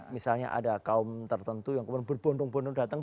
misalnya ada kaum tertentu yang kemudian berbondong bondong datang